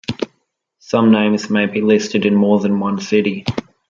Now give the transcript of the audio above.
Some names may be listed in more than one city.